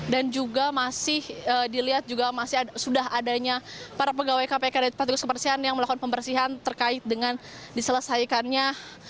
dan juga masih dilihat sudah adanya para pegawai kpk yang melakukan pembersihan terkait dengan diselesaikannya